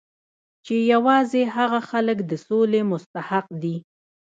چې یوازې هغه خلک د سولې مستحق دي